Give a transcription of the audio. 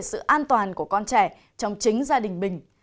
cảnh báo về sự an toàn của con trẻ trong chính gia đình mình